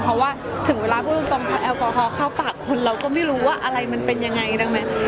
เพราะว่าถึงเวลาพูดตรงพอแอลกอฮอลเข้าปากคนเราก็ไม่รู้ว่าอะไรมันเป็นยังไงดังไหม